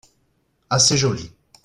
Assez joli.